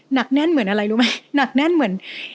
หนักแน่นเหมือนอะไรรู้ไหมหนักแน่นเหมือน